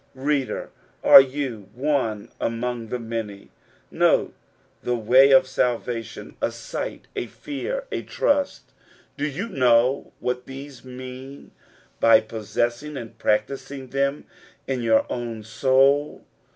Reader, aro you one among the many 1 Note the way of salvation, a sight, a fear, a trust 1 Do you know what these mean by possessing and practising them in your own soul